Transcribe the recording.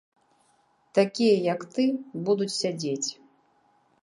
Такія, як ты, будуць сядзець!